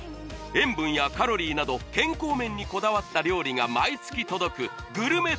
塩分やカロリーなど健康面にこだわった料理が毎月届くグルメ